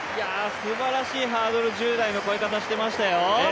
すばらしいハードル、１０台の越え方してましたよ。